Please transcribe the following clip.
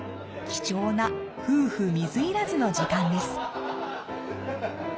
貴重な夫婦水入らずの時間です。